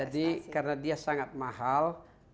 jadi karena dia sangat mahal